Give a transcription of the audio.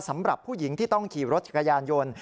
สำหรับผู้หญิงที่ต้องขี่รถจักรยานยนต์